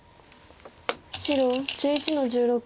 白１１の十六。